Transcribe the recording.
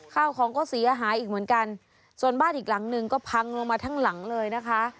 ข้าวของก็เสียหายอีกเหมือนกันส่วนบ้านอีกหลังหนึ่งก็พังลงมาทั้งหลังเลยนะคะ